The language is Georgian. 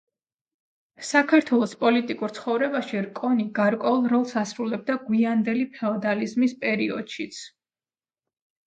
საქართველოს პოლიტიკურ ცხოვრებაში რკონი გარკვეულ როლს ასრულებდა გვიანდელი ფეოდალიზმის პერიოდშიც.